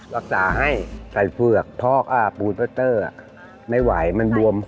รักษาให้แต่เผือกพ่อก็ไม่ไหวมันบวม